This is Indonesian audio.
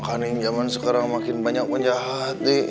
makanya yang jaman sekarang makin banyak penjahat nih